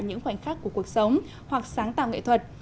những khoảnh khắc của cuộc sống hoặc sáng tạo nghệ thuật